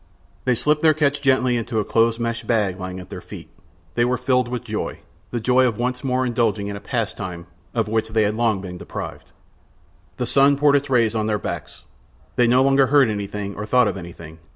They slipped their catch gently into a close meshed bag lying at their feet; they were filled with joy—the joy of once more indulging in a pastime of which they had long been deprived. The sun poured its rays on their backs; they no longer heard anything or thought of anything.